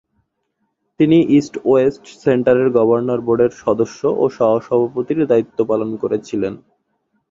তিনি ইস্ট-ওয়েস্ট সেন্টারের গভর্নর বোর্ডের সদস্য ও সহ-সভাপতির দায়িত্বও পালন করেছিলেন।